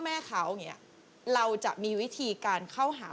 คุณฟังผมแป๊บนึงนะครับ